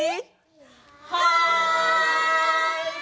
はい！